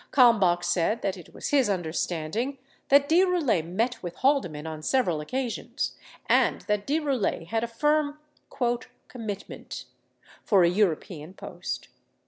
Kalmbach said that it was his understanding that De Roulet met with Haldeman on several occasions and that De Roulet had a firm "commitment" for a Euro pean post.